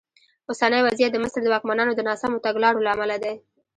اوسنی وضعیت د مصر د واکمنانو د ناسمو تګلارو له امله دی.